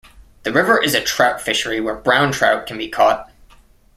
The river is a trout fishery where brown trout can be caught.